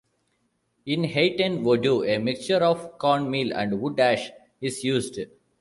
In Haitian Vodou, a mixture of cornmeal and wood ash is used.